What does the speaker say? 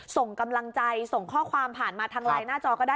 ส่งกำลังใจส่งข้อความผ่านมาทางไลน์หน้าจอก็ได้